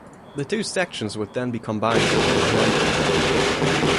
The two sections would then be combined at Wolverhampton.